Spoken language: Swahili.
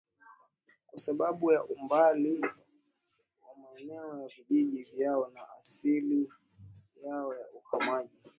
kwa sababu ya umbali wa maeneo ya vijiji vyao na asili yao ya uhamaji